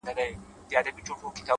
را روان په شپه كــــي ســـېــــــل دى;